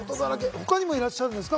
他にもいらっしゃいますか？